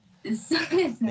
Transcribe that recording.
そうですね。